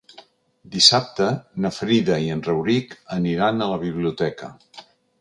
Dissabte na Frida i en Rauric aniran a la biblioteca.